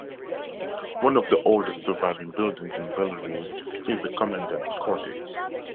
One of the oldest surviving buildings in Bellerive is the Commandant's Cottage.